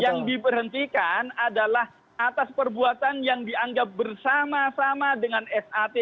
yang diberhentikan adalah atas perbuatan yang dianggap bersama sama dengan sat